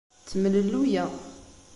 Ttemlelluyeɣ.